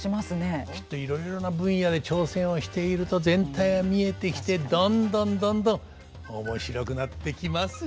きっといろいろな分野で挑戦をしていると全体が見えてきてどんどんどんどん面白くなってきますよ。